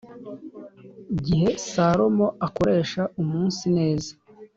gihe Salomo akoresha umunsi neza